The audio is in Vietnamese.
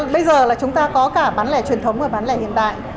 bây giờ là chúng ta có cả bán lẻ truyền thống và bán lẻ hiện đại